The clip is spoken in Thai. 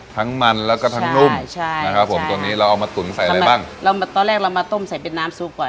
ต้มเป็นน้ำซุปแล้วเราก็มาหั่นแล้วก็มาตุ๋นอีกรอบนึงนะคะ